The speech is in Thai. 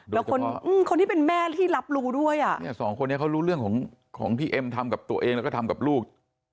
แล้วคนคนที่เป็นแม่ที่รับรู้ด้วยอ่ะเนี่ยสองคนนี้เขารู้เรื่องของของที่เอ็มทำกับตัวเองแล้วก็ทำกับลูก